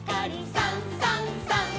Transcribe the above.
「さんさんさん」